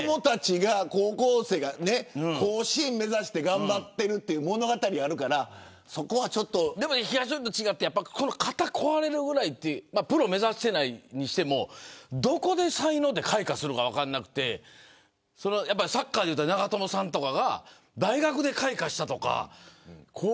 高校生が甲子園を目指して頑張っているというでも、ひがしのりと違って肩が壊れるぐらいってプロを目指していないにしてもどこで才能は開花するか分からなくてサッカーでいったら長友さんは大学で開花した。